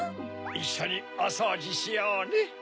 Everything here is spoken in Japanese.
いっしょにおそうじしようね。